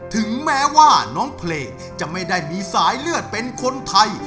ถึงแม้ว่าน้องเพลงจะไม่ได้มีสายเลือดเป็นคนไทย